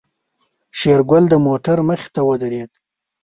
شېرګل د موټر مخې ته ودرېد.